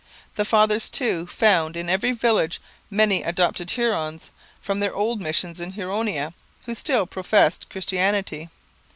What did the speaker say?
The fathers, too, found in every village many adopted Hurons, from their old missions in Huronia, who still professed Christianity.